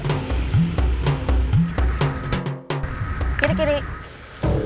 masa hemat dibilang kebiasaan buruk